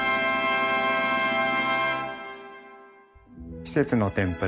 季節の天ぷら。